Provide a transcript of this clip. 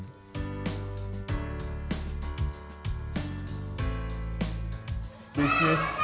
bersaing dengan bisnis